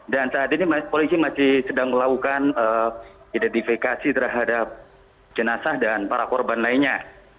dan saat ini polisi masih sedang melakukan identifikasi terhadap jenazah dan para korban lainnya